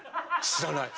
知らない。